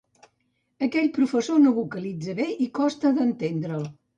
Aquell professor no vocalitza bé i costa d'entendre'l.